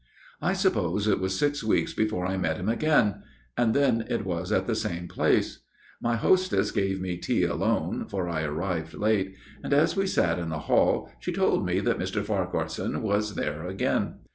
" I suppose it was six weeks before I met him again, and then it was at the same place. My hostess gave me tea alone, for I arrived late ; and as we sat in the hall she told me that Mr. Farquharson was there again.